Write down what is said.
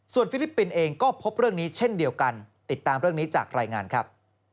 ฟิลิปปินส์เองก็พบเรื่องนี้เช่นเดียวกันติดตามเรื่องนี้จากรายงานครับ